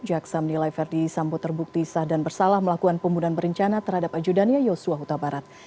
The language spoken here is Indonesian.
jaksa menilai verdi sambo terbukti sah dan bersalah melakukan pembunuhan berencana terhadap ajudannya yosua huta barat